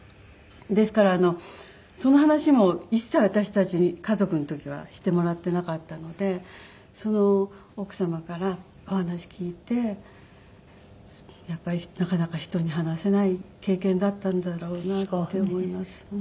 ですからその話も一切私たちに家族の時はしてもらっていなかったので奥様からお話聞いてやっぱりなかなか人に話せない経験だったんだろうなって思います。